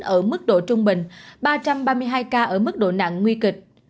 ở mức độ trung bình ba trăm ba mươi hai ca ở mức độ nặng nguy kịch